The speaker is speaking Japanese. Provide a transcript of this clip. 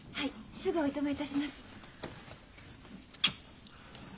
すぐおいとまいたします。